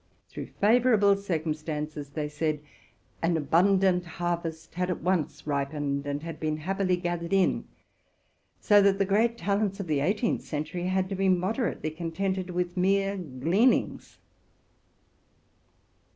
Through favorable circumstances, they said. an abundant harvest had at once ripened, and had been hap pily gathered in; so that the great talents of the eighteenth century had to be moderately contented with mere eleanings.